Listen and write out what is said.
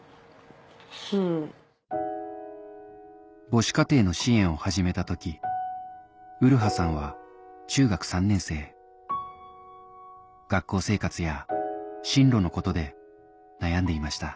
母子家庭の支援を始めた時麗さんは中学３年生学校生活や進路のことで悩んでいました